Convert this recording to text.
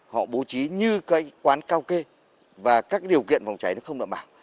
họ bố trí như cái quán kaoke và các điều kiện phòng cháy nó không đủ bảo